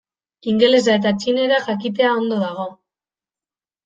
Ingelesa eta txinera jakitea ondo dago.